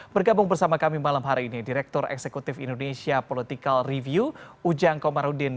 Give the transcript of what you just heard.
bergabung bersama kami malam hari ini direktur eksekutif indonesia political review ujang komarudin